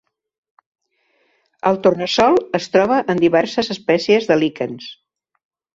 El tornassol es troba en diverses espècies de líquens.